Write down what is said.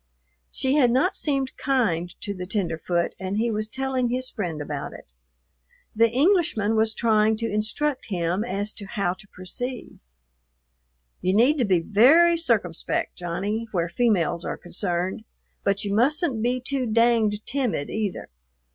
She had not seemed kind to the tenderfoot and he was telling his friend about it. The Englishman was trying to instruct him as to how to proceed. "You need to be very circumspect, Johnny, where females are concerned, but you mustn't be too danged timid either."